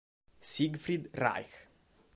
Siegfried Reich